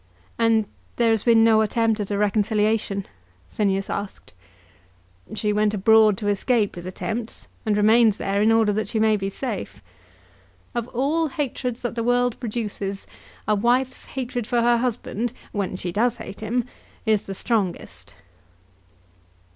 "And there has been no attempt at a reconciliation?" Phineas asked. "She went abroad to escape his attempts, and remains there in order that she may be safe. Of all hatreds that the world produces, a wife's hatred for her husband, when she does hate him, is the strongest."